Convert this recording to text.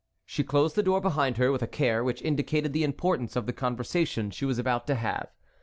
She closed the door behind her with a care which indicated the importance of the conversation she was about to have.